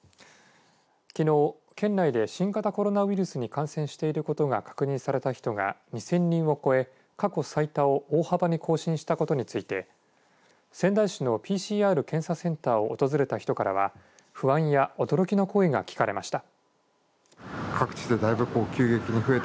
きのう、県内で新型コロナウイルスに感染していることが確認された人が２０００人を超え過去最多を大幅に更新したことについて仙台市のＰＣＲ検査センターを訪れた人からは不安や驚きの声が聞かれました。